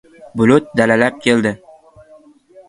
Bulut dalalab keldi.